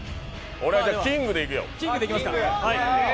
俺は、じゃあキングでいくよ。